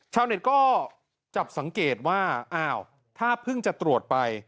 ชาวเน็ตก็จับสังเกตว่าอ้าวถ้าเพิ่งจะตรวจไป